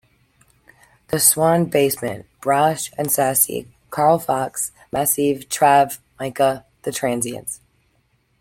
The Swan Basement: Brash and Sassy, Carl Fox, Massiv Trav, Micah, The Transients.